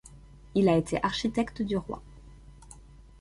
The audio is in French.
Il a été architecte du roi.